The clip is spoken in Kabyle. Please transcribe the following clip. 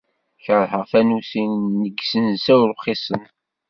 Keṛheɣ tanusi deg yisensa urxisen.